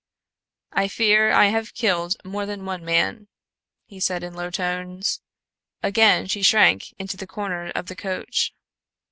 "I fear I have killed more than one man," he said in low tones. Again she shrank into the corner of the coach.